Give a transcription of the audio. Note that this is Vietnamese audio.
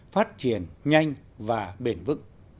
phát triển nhanh và bền vững